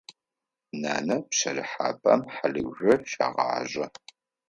Нанэ пщэрыхьапӏэм хьалыжъо щегъажъэ.